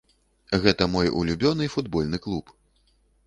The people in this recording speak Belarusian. Гэта мой улюбёны футбольны клуб.